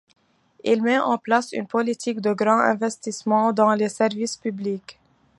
Il met en place une politique de grands investissements dans les services publics.